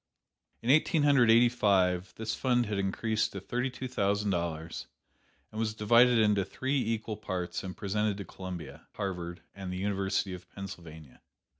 In Eighteen Hundred Eighty five, this fund had increased to thirty two thousand dollars, and was divided into three equal parts and presented to Columbia, Harvard and the University of Pennsylvania.